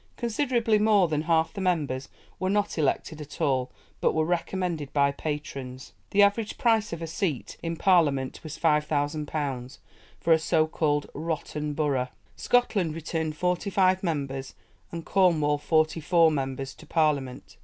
Considerably more than half the members were not elected at all, but were recommended by patrons. The average price of a seat in Parliament was 5000 pounds for a so called 'rotten borough.' Scotland returned forty five members and Cornwall forty four members to Parliament!